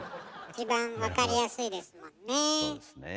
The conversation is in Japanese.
一番分かりやすいですもんね。